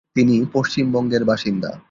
তিনি পশ্চিমবঙ্গের বাসিন্দা।